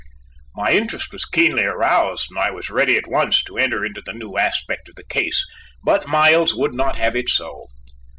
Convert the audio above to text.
My interest was keenly aroused and I was ready at once to enter into the new aspect of the case, but Miles would not have it so.